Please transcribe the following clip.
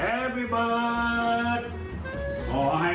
แจงร้องไห้ทำไม